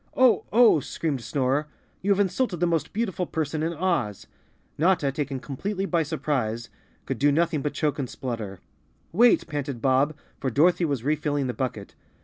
"Oh! Oh!" screamed Snorer. "You have insulted the most beautiful person in Oz." Notta, taken completely by surprise, could do nothing but choke and splutter. "Wait!" panted Bob, for Dorothy was refilling the bucket.